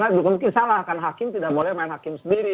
karena mungkin salah karena hakim tidak boleh main hakim sendiri